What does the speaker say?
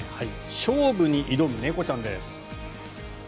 勝負に挑む猫ちゃんです。